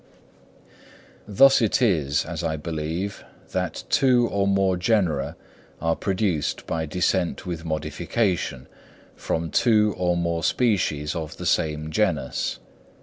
Thus it is, as I believe, that two or more genera are produced by descent with modification, from two or more species of the same genus.